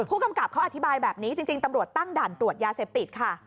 ผู้กำกับเขาอธิบายแบบนี้จริงตำรวจตั้งด่านตรวจยาเสพติดค่ะ